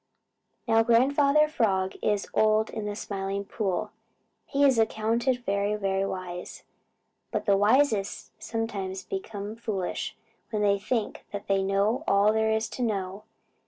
Now Grandfather Frog is old and in the Smiling Pool he is accounted very, very wise. But the wisest sometimes become foolish when they think that they know all there is to know.